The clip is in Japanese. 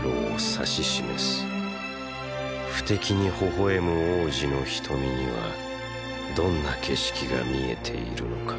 不敵にほほ笑む王子の瞳にはどんな景色が見えているのか。